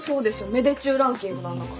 芽出中ランキングなんだから。